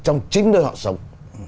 trong chính nơi họ sống